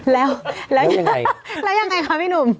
แล้วแล้วยังไงคะมีนุ่ม